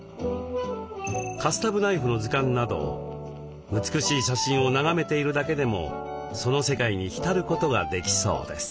カスタムナイフの図鑑など美しい写真を眺めているだけでもその世界に浸ることができそうです。